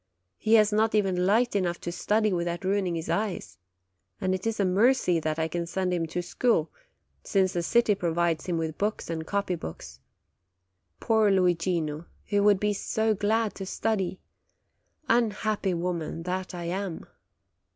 He has not even light enough to study without ruining his eyes. And it is a mercy that I can send him to school, since the city provides him with books and copy books. Poor Luigino, who would be so glad to study I Unhappy woman, that I am!"